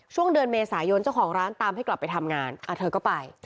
ช่วงเดือนเมษายนเจ้าของร้านตามให้กลับไปทำงานเธอก็ไป